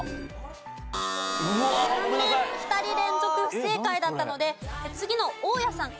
２人連続不正解だったので次の大家さん